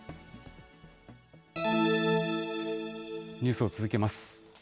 ニュースを続けます。